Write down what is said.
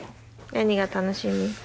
何が楽しみ？